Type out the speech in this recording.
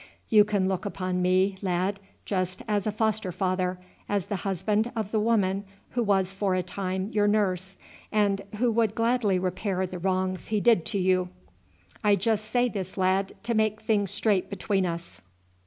You can look upon me, lad, just as a foster father as the husband of the woman who was for a time your nurse, and who would gladly repair the wrongs he did to you. I just say this, lad, to make things straight between us.